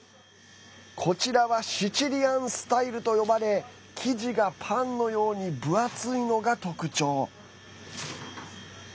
こちらはシチリアンスタイルと呼ばれ生地がパンのように分厚いのが特徴。